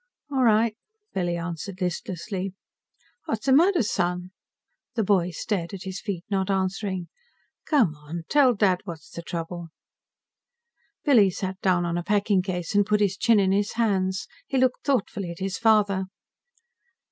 "All right," Billy answered listlessly. "What'sa matter, Son?" The boy stared at his feet, not answering. "Come on, tell Dad what's the trouble." Billy sat down on a packing case and put his chin in his hands. He looked thoughtfully at his father.